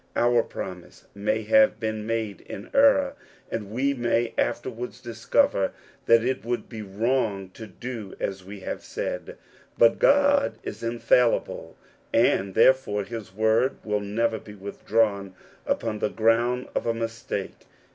Our promise may have been made in error, 2if^ we may afterwards discover that it would be wr6<^^ to do as we have said ; but God is infallible, ar^^ therefore his word will never be withdrawn upc^^ the ground of a mistake.